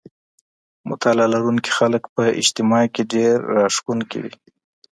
مطالعه لرونکي خلګ په اجتماع کي ډېر راښکونکي وي.